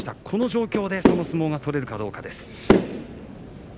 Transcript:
この状況で、その相撲が取れるかどうかです。